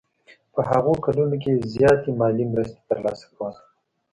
په هغو کلونو کې یې زیاتې مالي مرستې ترلاسه کولې.